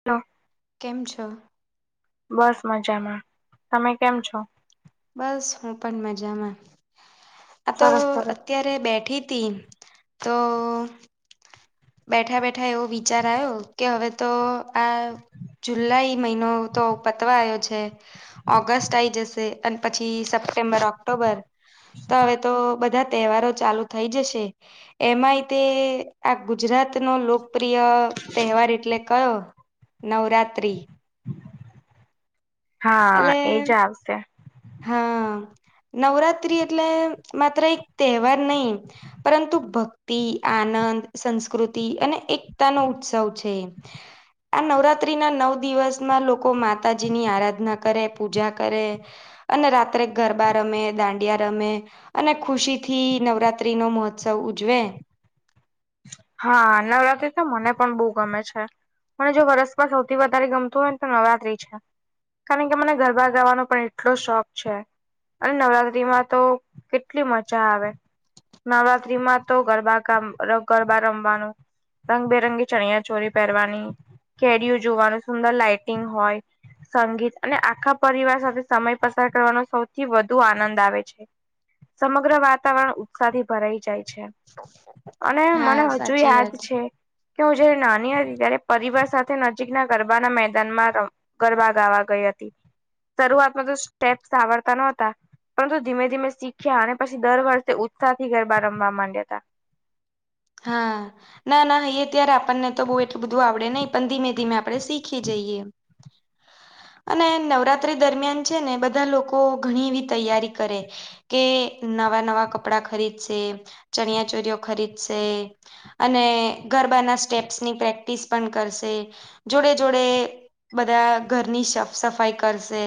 [unintelligible] કેમ છો બસ મજામાં તમે કેમ છો? બસ હું પણ મજામાં આ તો સરસ સરસ અત્યારે તે બેઠી તી તો બેઠા બેઠા એવો વિચાર આયો કે હવે તો આ જુલાઈ મહિનો તો પતવા આયો છે ઓગસ્ટ આ આઈ જશે અને પછી સપ્ટેમ્બર ઓક્ટોબર તો હવે તો બધા તહેવારો ચાલુ થઈ જશે એમાંય તે ગુજરાતનો લોકપ્રિય તહેવાર એટલે કયો નવરાત્ર્રી હા એજ આવશે હ નવરાત્રી એટલે માત્ર એક તહેવાર નઈ પરંતુ ભક્તિ આનંદ સંસ્કૃતિ અને એકતા નો ઉત્સવ છે. આ નવરાત્રીના નવ દિવસમાં લોકો માતાજીની આરાધના કરે પૂજા કરે અને રાત્રે ગરબા રમે દાંડિયા રમે અને ખુશી થી નવરાત્રી નો મહોત્સવ ઉજવે હા નવરાત્રી તો મને પણ બહુ ગમે છે પણ જો વરસમાં સૌથી વધારે ગમતું હોય ને તો નવરાત્રી છે. કારણ કે મને ગરબા ગાવાનો પણ એટલો શોખ છે અને નવરાત્રીમાં તો કેટલી મજા આવે. નવરાત્રીમાં તો ગરબા કામ ગરબા રમવાનું રંગબેરંગી ચણિયા ચોરી પહેરવાની કેડીઓ જોવાનું સુંદર લાાઈટિંગ હોય સંગીત અને આખા પરિવાર સાથે સમય પસાર કરવાનો સૌથી વધુ આનંદ આવે છે. સમગ્ર વાતાવરણ ઉત્સાહથી ભરાઈ જાય છે. [unintelligible] અને હા મને હજુ સાચી યાદ વાત છે. કે હું જયારે નાની હતી ત્યારે પરિવાર સાથે નજીકના ગરબાના મેદાનમાં ર ગરબા ગાવા ગઈ હતી શરૂઆતમાં તો સ્ટેપ્સ આવડતા નોતા પરંતુ ધીમે ધીમે શીખ્યા અને પછી દર વર્ષે ઉત્સાહ થી ગરબા રમવા માંડ્યા તા હા ના ના અહી ત્યારે આપણને તો બહ એટલું બધું આવડે નહીં પણ ધીમે ધીમે આપડણે શીખી જઈએ [inaudible] અને નવરાત્રી દરમિયાન છે ને બધા લોકો ઘણી એવી તૈયારી કરે. કે નવા નવા કપડા ખરીદશે ચણિયા ચોરીઓ ખરીદશે અને ગરબાના સ્ટેપ્સની પ્રેક્ટિસ પણ કરશે. જોડે જોડે બધા ઘરની સાફ સફાઈ કરશે.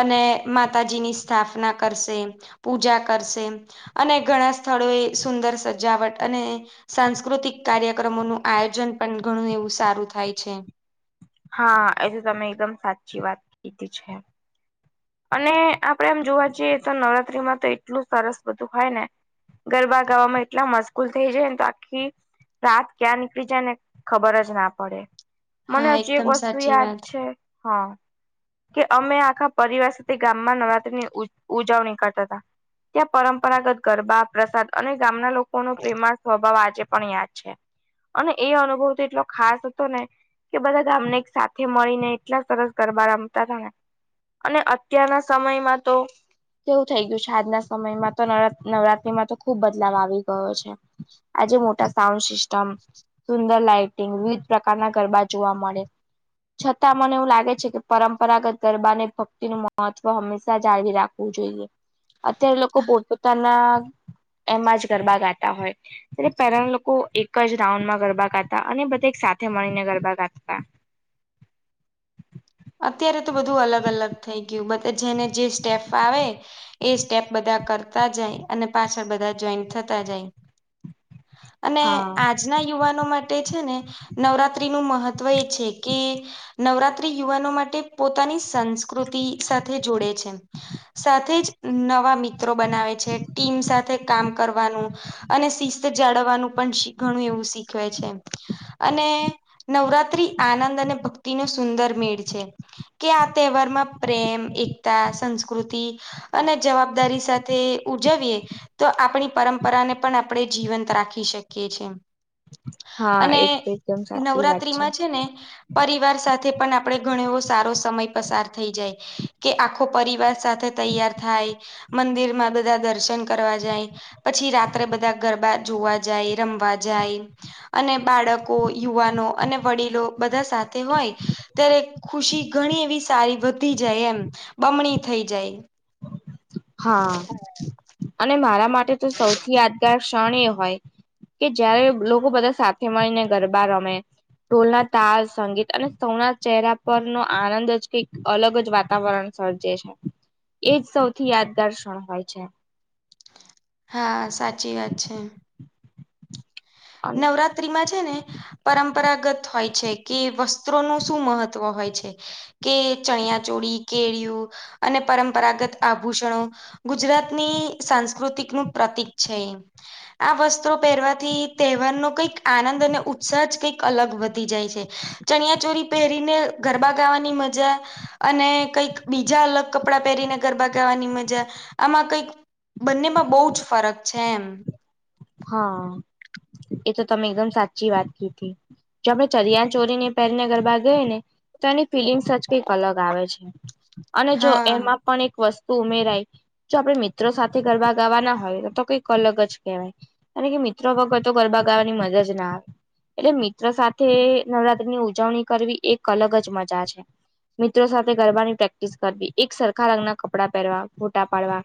અને માતાજીની સ્થાપના કરશે પૂજા કરશે. અને ઘણા સ્થળોએ સુંદર સજાવટ અને સાંસ્કૃતિક કાર્યક્રમો નું આયોજન પણ ઘણું એવું સારું થાય છે. હા એ તો તમે એકદમ સાચી વાત કીધી છે. અને આપડે એમ જોવા જઈએ તો નવરાત્રીમાં તો એટલું સરસ બધું હોય ને. ગરબા ગાવામાં એટલા મશગૂલ થઈ જાય ને તો આખી. રાત ક્યાં નીકળી જાય ને ખબર જ ના પડે. મને હા હજુ એક એકદમ વસ્તુ સાચી યાદ વાત છે હા કે અમે આખા પરિવાર તે ગામમાં નવરાત્રીની ઉજ ઉજવણી કરતા હતા. ત્યાં પરંપરાગત ગરબા પ્રસાદ અને ગામના લોક લોકો પ્રેમા સ્વભાવ આજે પણ યાદ છે અને એ અનુભવ તો એટલો ખાસ હતો ને. કે બધા ગામને એક સાથે મળીને એટલા સરસ ગરબા રમતા તાને અને અ. ત્યા ના સમયમાં તો. કેવું થઈ ગયું છે આજના સમયમાં તો નવ નવરાત્રીમાં તો ખુબ બદલાવ આવી ગયો છે. આજે મોટા સાઉન્ડ સિસ્ટમ સુંદર લાાઈટિંગ વિવિધ પ્રકારના ગરબા જોવા મળે. છતાં મને એવું લાગે છે કે પરંપરાગત ગરબાને ભક્તિનું મહત્વ હંમેશા જાળવી રાખવું જોઈએ અત્યારે લોકો પોત પોતાના એમાં જ ગરબા ગાતા હોય. તેપહેલા લોકો એક જ રાઉન્ડ માં ગરબા ગાતા અને બધા સાથે મળીને ગરબા ગાતા. અત્યારે તો બધું અલગ અલગ થઈ ગયું બધા જેને જે સ્ટેફ આવે. એ સ્ટેપ બધા કરતા જાય અને પાછળ બધા જોઈન્ટ થતા જાય. અને હા આજના યુવાનો માટે છે ને નવરાત્રી નું મહત્વ ત્વ છે કે નવરા યુવાનો માટે પોતાની સંસ્કૃતિ સાથે જોડે છે. સાથે જ નવા મિત્રો બનાવે છે ટીમ સાથે કામ કરવાનું અને શિસ્ત જાળવવાનું પણ ઘણું એવું શીખવે છે. અને નવરાત્રી આનંદ અને ભક્તિનો સુંદર મેળ છે. કે આ તહેવાર માં પ્રેમ એકતા સંસ્કૃતિ અને જવાબદારી સાથે ઉજવીએ. તો આપણી પરંપરાને પણ આપણે જીવંત રાખી શકીએ છે. હા અને એ તો એકદમ સાચી વાત નવરાત્રી માં છે ને પરિવાર સાથે પણ આપ આપે ઘણ એવો સારો સમય પસાર થઈ જાય કે આખો પરિવાર સાથે તૈયાર થાય. મંદિર માં બધા દર્શન કરવા જાય. પછી રાત્રે બધા ગરબા જોવા જાય રમવા જાય. અને બાળકો યુવાનો અને વડીલો બધા સાથે હોય. ત્યારે ખુશી ઘણી એવી સારી વધી જાય એમ બમણી થઈ જાય. હા અને મારા માટે તો સૌથી યાદગાર ક્ષણ એ હોય. કે જયારે લોકો બધા સાથે મળીને ગરબા રમે. ટોલના તાર સંગીત અને સૌના ચહેરા પર નો આનંદ જ કંઈક અલગ જ વાત વાતાવરણ સળ જે છે એજ સૌથી યાદગાર ક્ષણ હોય છે. હા સાચી વાત છે. નવરાત્રી માં જ. હેને પરંપરાગત હોય છે કે વસ્ત્રોનું શું મહત્વ હોય છે. કે ચણિયા ચોળી કેળિઓ અને પરંપરાગત આભૂષણો ગુજરાતની સાંસ્કૃતિક નું પ્રતિક છે આ વસ્ત્રો પહેરવાથી તહેવાર નો કંઈક આનંદ અને ઉત્સાહ જ કઈક અલગ વધી જાય છે ચણિયા ચોરી પહેરીને ગરબા ગાવાની મજા અને કઈક બીજા અલગ કપડાં પહેરીને ગરબા ગાવાની મજા આમાં કઈક બંનેમાં બહુ જ ફરક છે એમ હા એ તો તમે એકદમ સાચી વાત કી હતી. જો આપણે ચરિયા ચોરીની પહેરને ગરબા ગઈ ને તો એની ફિલિંગ્સ જ કંઈક અલગ આવે છે અને જો હા એમાં પણ એક વસ્તુ ઉમેરાય જો આપે મિત્રો સાથે ગરબા ગાવાના હોય તો તો કઈક અલગ જ કહેવાય. કાર કે મિત્રો વગર તો ગરબા ગાવાની મજાજ ના આવે એટલે મિત્રો સાથે નવરાત્રીની ઉજવણી કરવી એક અલગ જ મજા છે. મિત્રો સાથે ગરબાની પ્રેક્ટિસ કરવી એક સરખા રંગના કપડાં પહેરવા ફોટા પાડવા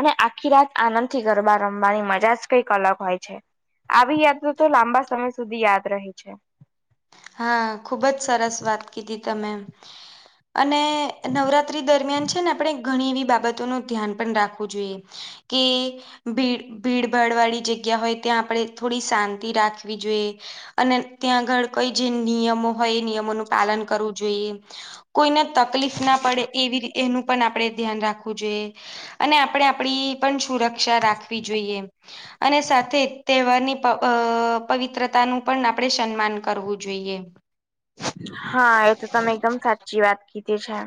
અને આખી રાત આનંદ થી ગરબા રમવાની મજા જ કઈક અલગ હોય છે આવી યાદ તો લાંબા સમય સુધી યાદ ર છે. હા ખુબ જ સરસ વાત કીધી તમે અને નવરાત્રી દરમિયાન છે ને આપણે ઘણી એવી બાબતોનું ધ્યાન પણ રાખવું જોઈએ. કે ભીડ ભીડ ભાડ વાળી જગ્યા હોય ત્યાં આપણે થોડી શાંતિ રાખવી જોઈએ અને ત્યાં આગળ કઈ જે નિયમો હોય એ નિયમોનું પાલન કરવું જોઈએ કોઈને તકલીફ ના પડે એવી એનું પણ આપણેે ધ્યાન રાખવું જોઈએ અને આપણેે આપડી પણ સુરક્ષા રાખવી જોઈએ અને સાથે જ તહેવારની પવિત્રતા નું પણ આપણે સન્માન કર કરવું જોઈએ હા એ તો તમે એકદમ સાચી વાત કીધી છે.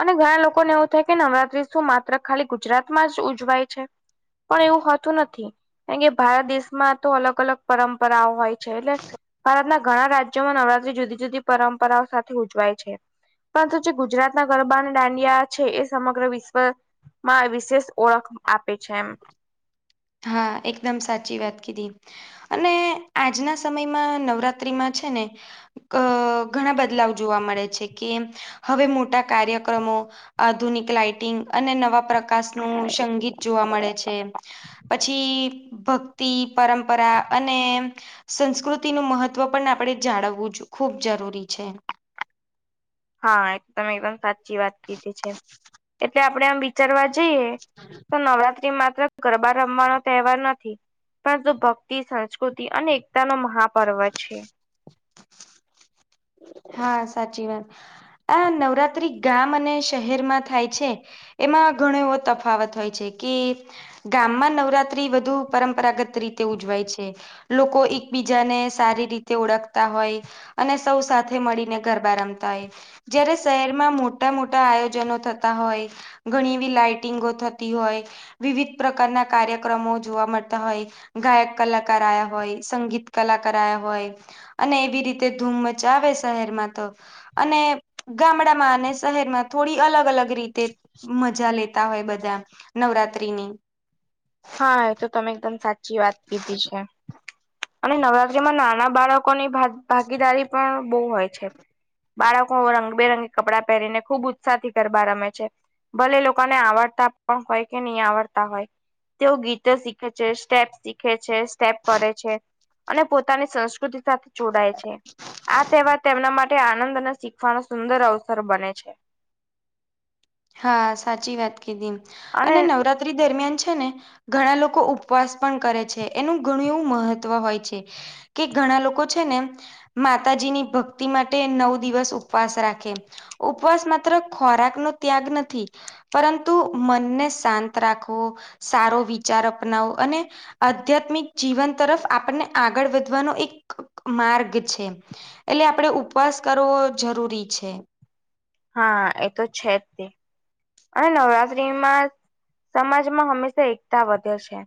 અને ઘણા લોકોને એવું થાય કે નવરાત્રી શું માત્ર ખાલી ગુજરાત માં જ ઉજવાય છે. પણ એવું હોતું નથી કારણ કે ભારત દેશમાં તો અલગ અલગ પરંપરાઓ હોય. છે એટલે ભારતના ઘણા રાજ્ય રાજમાં નવરાત્રી જુદી જુદી પરંપરાઓ સાથે ઉજવાય છે પરંતુ ગુજરાત. ના ગરબા અને દાંડિયા છે એ સમગ્ર વિશ્વમાં વિશેષ ઓળખ આપે છે એમ હા એકદમ સાચી વાત કીધી અને આજના સમયમાં નવરાત્ર્રીમાં છે ને અ ઘણા બદલાવ જોવા મળે છે કે હવે મોટા કાર્યક્રમો આધુનિક લાાઈટિંગ અને નવા પ્રકાશ નું સંગીત જોવા મળે છે. પછી ભક્તિ પરંપરા અને સંસ્કૃતિનું મહત્ત્વ પણ આપણે જાળવવું જ ખૂબ જરૂરી છે. હા તમે એકદમ સાચી વાત કીધી છે એટલે આપડે આમ વિચરવા જઈએ તો નવરાત્રી માત્ર ગરબા રમવાનો તહેવાર નથી. પણંતુ ભક્તિ સંસ્કૃતિ અને એકતા નો મહાપર્વ છે. હા સાચી વાત આ નવરાત્રી ગામ અને શહેરમાં થાય છે. એમાં ઘણો એવો તફાવત હોય છે કે ગામમાં નવરાત્રી વધુ પરંપરાગત રીતે ઉજવાય છે. લોકો એકબીજાને સારી રીતે ઓળખતા હોય અને સૌ સાથે મળીને ગરબા રમતા હોય જયારે શહેરમાં મોટા મોટા આયોજનો થતા હોય. ઘણી એવી લાાઈટિંગો થતી હોય વિવિધ પ્રકારના કાર્યક્રમો જોવા મળતા હોય. ગાયક કલાકાર આયા હોય સંગીત કલાકાર આ્યા હોય. અને એવી રીતે ધૂમ મચાવે શહેરમાં તો અને ગામડામાં અને શહેરમાં થોડી અલગ અલગ રીતે મજા લેતા હોય બધા નવરાત્રીની હા એ તો તમે એકદમ સાચી વાત કીધી છે. અને નવરાત્ર્રીમાં નાના બાળકોની ભાગીદારી પણ બહુ હોય છે. બાળકો રંગબેરંગી કપડાં પહેરીને ખુબ ઉત્સાહથી ગરબા રમે છે ભલે એ લોકોને આવડતા પણ હોય કે નહી આવડતા હોય તેઓ ગીતો શીખે છે સ્ટેપ શીખે છે સ્ટેપ કરે છે અને પોતાની સંસ્કૃતિ સાથે જોડાય છે આ તહેવાર તેમના માટે આનંદ અને શીખવાનો સુંદર અવસર બને છે હા સાચી વાત કીધી એમ અને નવરાત્રી દરમિયાન છે ને ઘણા લોકો ઉપવાસ પણ કરે છે એનું ઘણું એવું મહત્વ હોય છે કે ઘણા લોકો છે નેમ માતાજીની ભક્તિ માટે નવ દિવસ ઉપવાસ રાખે ઉપવાસ માત્ર ખોરાક નો ત્યાગ નથી પરંતુ મનને શાંત રાખવો સારો વિચાર અપનાવો અને આધ્યાત્મિક જીવન તરફ આપણને આગળ વધવાનો એક માર્ગ છે. એટલે આપડે ઉપવાસ કરવો જરૂરી છે. હા એ તો છે જ તે. અને નવરાત્રીમાં સમાજમાં હંમેશા એકતા વધે છે.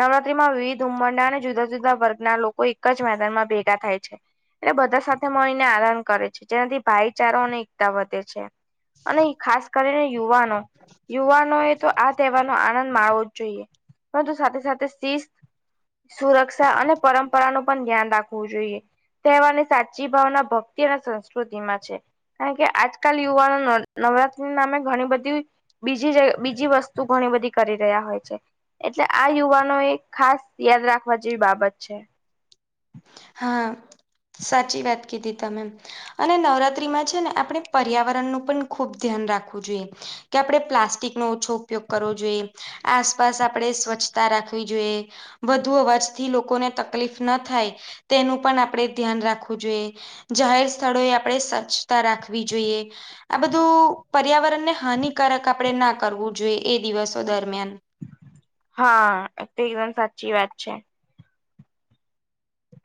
નવરાત્રીમાં વિવિધ ઉમરડા અને જુદા જુદા વર્ગના લોકો એક જ મેદાનમાં ભેગા થાય છે. એટલે બધા સાથે મળીને આરાન કરે છે જેનાથી ભાઈચારોની એકતા વધે છે. અને ખાસ કરીને યુવાનો યુવાનો એ તો આ તહેવાર નો આનંદ માણવો જ જોઈએ પરંતુ સાથે સાથે શિસ્ત સુરક્ષા અને પરંપરાનું પણ ધ્યાન રાખવું જોઈએ. તહેવારની સાચી ભાવના ભક્તિ અને સંસ્કૃતિ માં છે. કારણ કે આજકાલ યુવાનો નવરાત્રી નામે ઘણી બધી બીજી બીજી વસ્તુ ઘણી બધી કરી રહ્યા હોય છે. એટલે આ યુવાનો એક ખાસ યાદ રાખવા જેવી બાબત છે. હા સાચી વાત કીધી તમેમ અને નવરાત્રીમાં છે ને આપણે પર્યાવરણનું પણ ખુબ ધ્યાન રાખવું જોઈએ. કે આપણે પ્લાસ્ટિક નો ઓછો ઉપયોગ કરવો જોઈએ. આસપાસ આપણે સ્વચ્છતા રાખવી જોઈએ. વધુ અવાજથી લોકોને તકલીફ ના થાય તેનું પણ આપણેે ધ્યાન રાખવું જોઈએ. જાહેર સ્થળોએ આપણે સ્વચ્છતા રાખવી જોઈએ. આ બધું પર્યાવરણને હાનિકારક આપણેે ના કરવું જોઈએ એ દિવસો દરમિયાન. હા તે એકદમ સાચી વાત છે.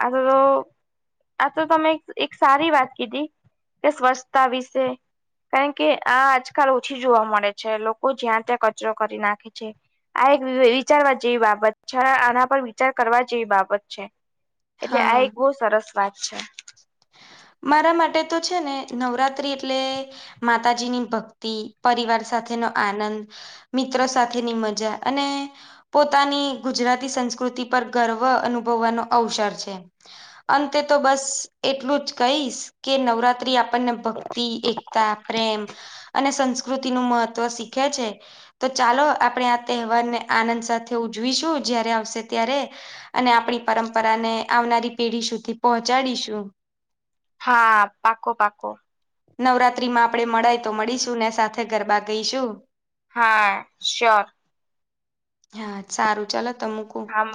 આ તો આ તો તમે એક સારી વાત કીધી કે સ્વચ્છતા વિશે કારણ કે આ આજકાલ ઓછી જોવા મળે છે લોકો જ્યાં ત્યાં કચરો કરી નાખે છે. આ એક વિચારવા જેવી બાબત છે આના પર વિચાર કરવા જેવી બાબત છે. એટલે હા આ એક બહુ સરસ વાત છે. મારા માટે તો છે ને નવરાત્રી એટલે માતાજીની ભક્તિ પરિવાર સાથેનો આનંદ મિત્રો સાથેની મજા અને પોતાની ગુજરાતી સંસ્કૃતિ પર ગર્વ અનુભવવાનો અવસર છે. છે અંતે તો બસ એટલું જ કહીશ કે નવરાત્રી આપણને ભક્તિ એકતા પ્રેમ અને સંસ્કૃતિ નું મહત્વ શીખે છે. તો ચાલો આપણે આ તહેવારને આનંદ સાથે ઉજવીશું જયારે આવશે ત્યારે અને આપણી પરંપરા ને આવનારી પેઢી સુધી પહોંચાડીશું. હા પાકો પાકો. નવરાત્ર્રી માં આપડણે મળાય તો મળીશું ને સાથે ગરબા ગઈશું. હા શ્યોર. હા સારું ચાલો તો મુકું આમ